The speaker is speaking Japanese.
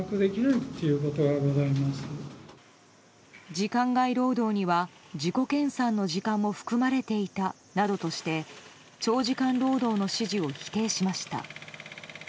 時間外労働には、自己研鑽の時間も含まれていたなどとして長時間労働の指示を否定しました。